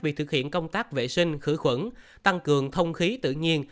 việc thực hiện công tác vệ sinh khử khuẩn tăng cường thông khí tự nhiên